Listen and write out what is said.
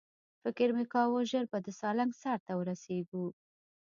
فکر مې کاوه ژر به د سالنګ سر ته ورسېږو.